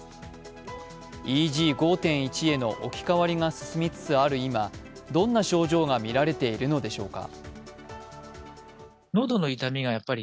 ＥＧ５．１への置き換わりが進みつつある今、どんな症状がみられているのでしょうか。